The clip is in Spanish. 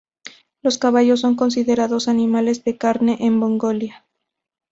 Los caballos son considerados animales de carne en Mongolia.